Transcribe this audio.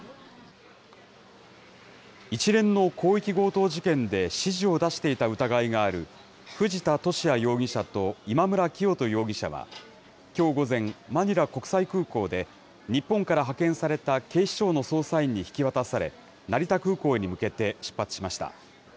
一連の広域強盗事件で指示を出していた疑いがある、藤田聖也容疑者と今村磨人容疑者は、きょう午前、マニラ国際空港で、日本から派遣された警視庁の捜査員に引き渡され、成田空港に向けて出発しました。